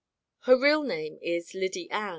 Her real name is Lyddy Ann.